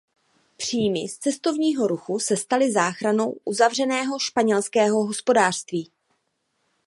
Příjmy z cestovního ruchu se staly záchranou uzavřeného španělského hospodářství.